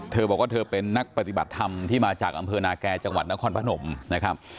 เธอบอกว่าเธอเป็นนักปฏิบัติธรรมที่มาจากอำเภอนาแก่จังหวัดนครพนมนะครับ